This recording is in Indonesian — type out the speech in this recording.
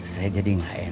saya jadi gak enak